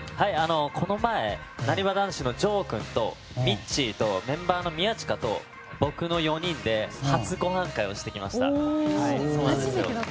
この前、なにわ男子の丈君とみっちーとメンバーの宮近と僕の４人で初ごはん会をしてきました。